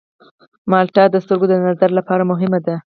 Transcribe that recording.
مالټه د سترګو د نظر لپاره مهمه ده.